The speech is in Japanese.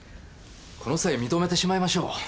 この際認めてしまいましょう。